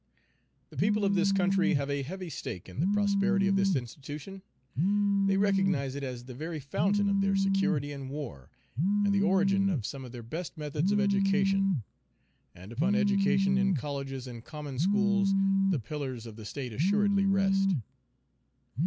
The people of this country have a heavy stake in the prosperity of this institution. They recognize it as the very fountain of their security in war, and the origin of some of their best methods of education. And upon education in colleges and common schools the pillars of the State assuredly rest.